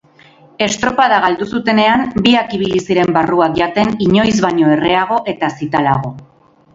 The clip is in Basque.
Estropada galdu zutenean, biak ibili ziren barruak jaten inoiz baino erreago eta zitalago.